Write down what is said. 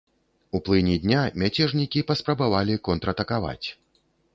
У плыні дня мяцежнікі паспрабавалі контратакаваць.